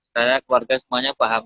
saya keluarga semuanya paham